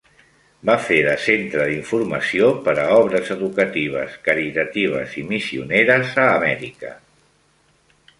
Va fer de centre d'informació per a obres educatives, caritatives i missioneres a Amèrica.